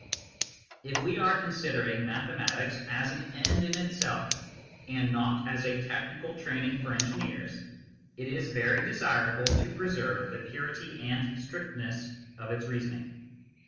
If we are considering mathematics as an end in itself, and not as a technical training for engineers, it is very desirable to preserve the purity and strictness of its reasoning.